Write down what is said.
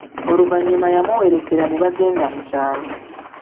Oluvanyuma yamuwerelera nebagenda mu kyalo.